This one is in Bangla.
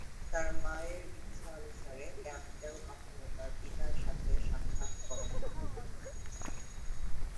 তার মায়ের ইচ্ছানুসারে ক্যাম্পবেল কখনো তার পিতার সাথে সাক্ষাৎ করেননি।